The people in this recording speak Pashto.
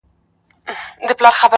لويي څپې به لکه غرونه راځي،